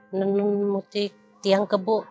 menenun motif tiang kebu